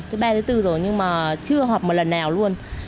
thứ ba thứ bốn rồi nhưng mà chưa họp một lần nào luôn